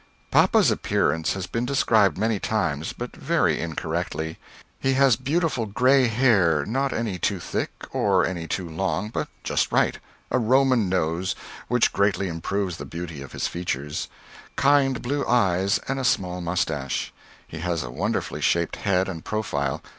_ Papa's appearance has been described many times, but very incorrectly. He has beautiful gray hair, not any too thick or any too long, but just right; a Roman nose, which greatly improves the beauty of his features; kind blue eyes and a small mustache. He has a wonderfully shaped head and profile.